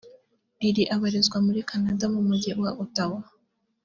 Lily abarizwa muri Canada mu mujyi wa Ottawa